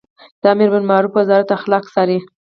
د امربالمعروف وزارت اخلاق څاري